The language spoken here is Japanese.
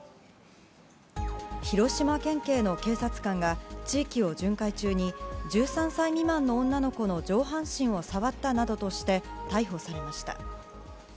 広島県警の警察官が地域を巡回中に１３歳未満の女の子の上半身を触ったなどとして逮捕されました。